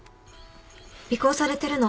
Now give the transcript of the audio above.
尾行されてるの。